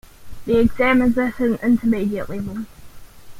The exam is at an intermediate level.